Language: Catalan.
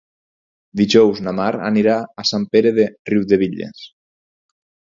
Dijous na Mar anirà a Sant Pere de Riudebitlles.